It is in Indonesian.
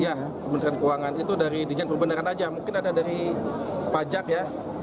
iya kementerian keuangan itu dari jenderal pembenaran saja mungkin ada dari pajak ya